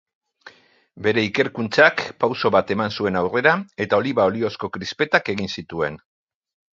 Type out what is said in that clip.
Bere ikerkuntzak pauso bat eman zuen aurrera eta oliba oliozko krispetak egin zituen.